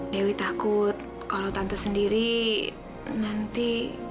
dewi takut kalau tante sendiri nanti